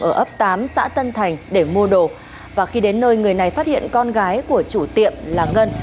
ở ấp tám xã tân thành để mua đồ và khi đến nơi người này phát hiện con gái của chủ tiệm là ngân